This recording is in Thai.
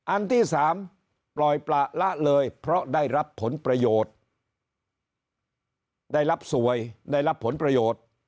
อันที่สามปล่อยประละเลยเพราะได้รับผลประโยชน์ได้รับสวยได้รับผลประโยชน์